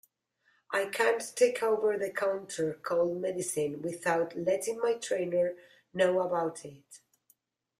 I can't take over-the-counter cold medicine without letting my trainer know about it.